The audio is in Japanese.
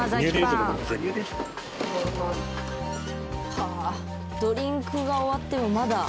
はあドリンクが終わってもまだ。